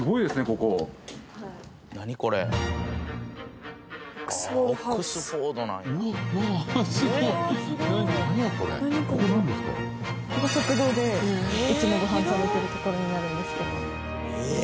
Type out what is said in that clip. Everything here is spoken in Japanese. ここ食堂でいつもご飯食べてる所になるんですけど。